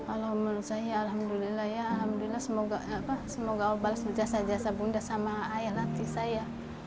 alhamdulillah ya alhamdulillah semoga allah balas jasa jasa bunda sama ayah nanti saya